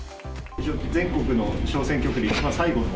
全国の小選挙区で一番最後の。